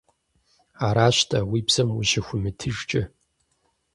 Аращ-тӀэ, уи бзэм ущыхуимытыжкӀэ.